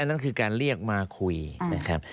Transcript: นั่นคือการเรียกมาคุยนะครับ